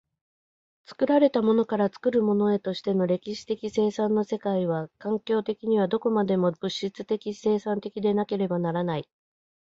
作られたものから作るものへとしての歴史的生産の世界は、環境的にはどこまでも物質的生産的でなければならない。